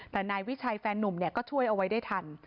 แต่นายวิชัยแฟนนุ่มก็ช่วยเอาไว้ได้ทัน